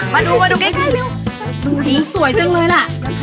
มาดูมาดูใกล้นิ้วผีสวยจังเลยล่ะ